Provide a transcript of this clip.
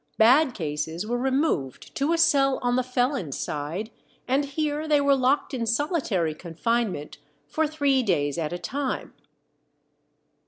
Bad cases were removed to a cell on the felons' side, and here they were locked in solitary confinement for three days at a time.